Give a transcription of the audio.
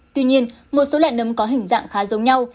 tuy nhiên một số loại nấm có hình dạng khá giống nhau